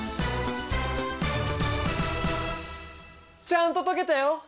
ちゃんと解けたよ！